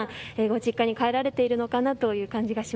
実家に帰られているのかな